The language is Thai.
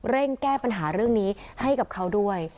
แก้ปัญหาเรื่องนี้ให้กับเขาด้วย